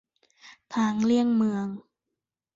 ทางเลี่ยงเมือง